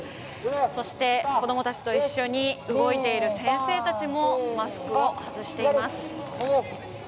そして子供たちと一緒に動いている先生たちも、マスクを外しています。